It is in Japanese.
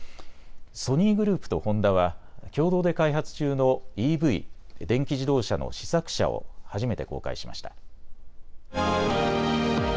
ソニーグループとホンダは共同で開発中のＥＶ・電気自動車の試作車を初めて公開しました。